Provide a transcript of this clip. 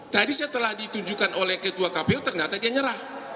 tadi setelah ditunjukkan oleh ketua kpu ternyata dia nyerah